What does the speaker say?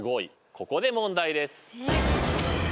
ここで問題です。